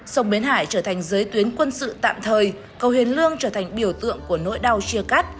sông bến hải trở thành giới tuyến quân sự tạm thời cầu hiền lương trở thành biểu tượng của nỗi đau chia cắt